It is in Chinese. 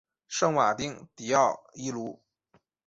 圣马丁迪富伊卢。